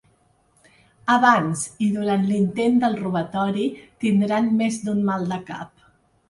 Abans i durant l'intent del robatori tindran més d'un mal de cap.